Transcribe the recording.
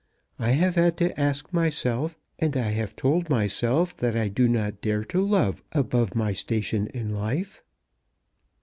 I have had to ask myself, and I have told myself that I do not dare to love above my station in life."